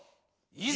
いざ！